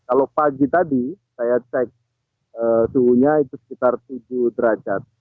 kalau pagi tadi saya cek suhunya itu sekitar tujuh derajat